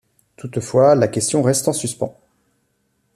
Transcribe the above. Toutefois, la question reste en suspens.